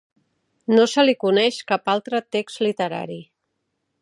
No se li coneix cap altre text literari.